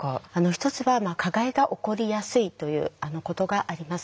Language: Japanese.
一つは加害が起こりやすいということがあります。